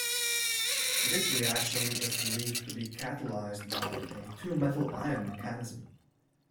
This reaction is believed to be catalyzed by a two-metal-ion mechanism.